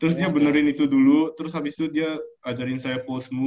terus dia benerin itu dulu terus abis itu dia ajarin saya pose smooth